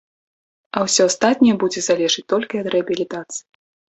А ўсё астатняе будзе залежыць толькі ад рэабілітацыі.